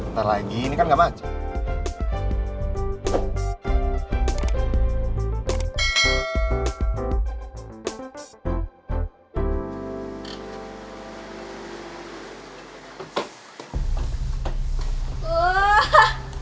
ntar lagi ini kan gak macem